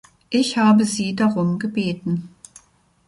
Ich habe Sie darum gebeten.